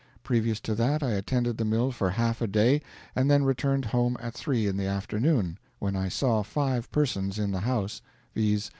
Previous to that I attended the mill for half a day, and then returned home at 3 in the afternoon, when I saw five persons in the house, viz.